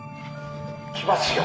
来ますよ！